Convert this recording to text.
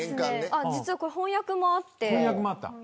実はこれ翻訳もあって。